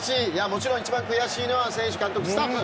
もちろん一番悔しいのは選手、監督、スタッフ。